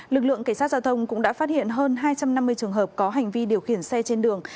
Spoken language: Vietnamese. lực lượng cảnh sát giao thông cũng đã phát hiện hơn hai trăm năm mươi trường hợp có hành vi điều khiển xe trên đường